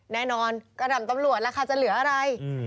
แน่นอนกระดำตำรวจล่ะค่ะจะเหลืออะไร